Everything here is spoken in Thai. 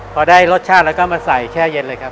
พอได้รสชาติแล้วก็มาใส่แช่เย็นเลยครับ